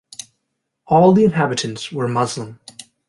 All the inhabitants were Muslim.